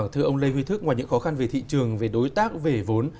thưa ông lê huy thức ngoài những khó khăn về thị trường về đối tác về vốn